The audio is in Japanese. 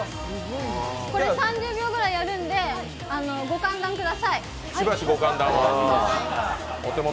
これ３０秒ぐらいやるんで、ご歓談ください。